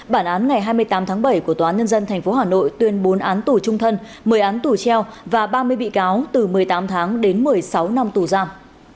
bản án ngày hai mươi tám tháng bảy của tòa nhân dân tp hà nội tuyên bốn án tù trung thân một mươi án tù treo và ba mươi bị cáo từ một mươi tám tháng đến một mươi sáu năm tù giam